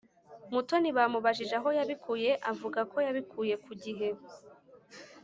Mutoni bamubajije aho yabikuye avugako yabikuye ku gihe